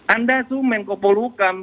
anda tuh menko polwukam